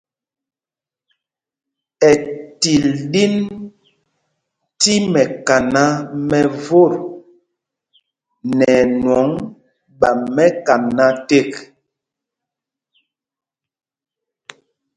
Ɛtil ɛ ɗin tí mɛkaná mɛ vot nɛ ɛnwɔŋ ɓa mɛkaná tēk.